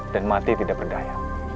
dan mati tidak berdaya